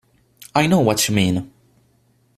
I know what you mean.